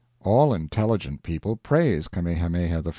All intelligent people praise Kamehameha I.